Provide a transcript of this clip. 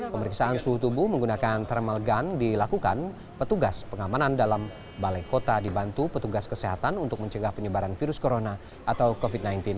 pemeriksaan suhu tubuh menggunakan thermal gun dilakukan petugas pengamanan dalam balai kota dibantu petugas kesehatan untuk mencegah penyebaran virus corona atau covid sembilan belas